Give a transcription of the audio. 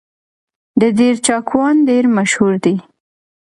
د دير چاکوان ډېر مشهور دي